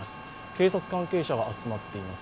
警察関係者が集まっています。